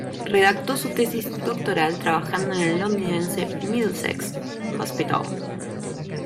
Redactó su tesis doctoral trabajando en el londinense Middlesex Hospital.